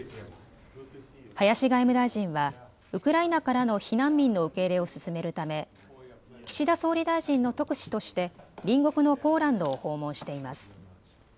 林外務大臣はウクライナからの避難民の受け入れを進めるため岸田総理大臣の特使として隣国のポーランドを訪問しています。